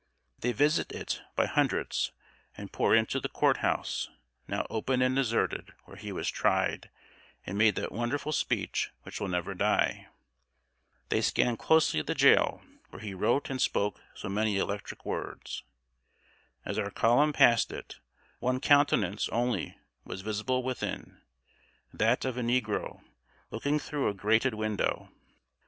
They visit it by hundreds, and pour into the court house, now open and deserted, where he was tried, and made that wonderful speech which will never die. They scan closely the jail, where he wrote and spoke so many electric words. As our column passed it, one countenance only was visible within that of a negro, looking through a grated window.